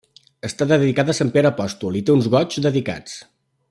Està dedicada a sant Pere apòstol i té uns goigs dedicats.